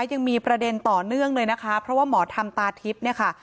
ยังมีประเด็นต่อเนื่องเลยนะคะเพราะว่าหมอธรรมตาทิพย์เนี่ยค่ะ